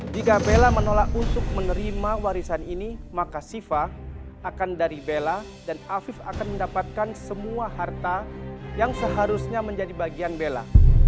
jika bella menolak untuk menerima warisan ini maka sifa akan dari bella dan afif akan mendapatkan semua harta yang seharusnya menjadi bagian bella